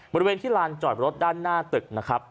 บริเวณที่ลานจอดรถด้านหน้าตึกนะครับ